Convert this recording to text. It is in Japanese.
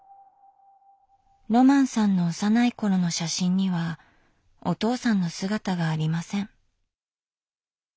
ロマンさんの幼い頃の写真にはお父さんの姿がありません。